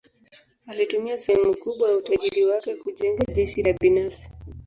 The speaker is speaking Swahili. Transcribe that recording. Alitumia sehemu kubwa ya utajiri wake kujenga jeshi la binafsi.